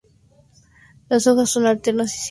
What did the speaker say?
Las hojas son alternas y simples.